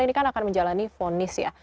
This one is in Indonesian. ini kan akan menjalani fonis ya